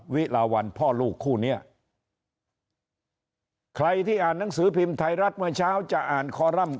วิลาวันพ่อลูกคู่เนี้ยใครที่อ่านหนังสือพิมพ์ไทยรัฐเมื่อเช้าจะอ่านคอรัมป